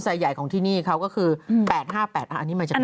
ใหญ่ของที่นี่เขาก็คือ๘๕๘อันนี้มาจากไหน